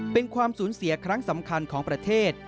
เป็นความสูญเสียครั้งสำคัญของประเทศ